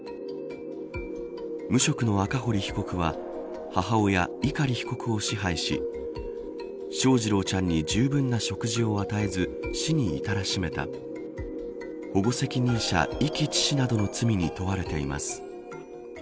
無職の赤堀被告は母親は碇被告を支配し翔士郎ちゃんにじゅうぶんな食事を与えず死に至らしめた保護責任者遺棄致死などの罪に問われています。